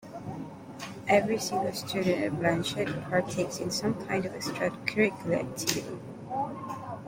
Every single student at Blanchet partakes in some kind of extracurricular activity.